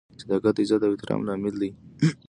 • صداقت د عزت او احترام لامل دی.